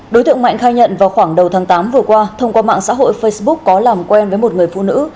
đối tượng mạnh khai nhận vào khoảng đầu tháng tám vừa qua thông qua mạng xã hội facebook có làm quen với một người phụ nữ